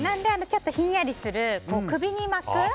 ちょっとひんやりする首に巻く。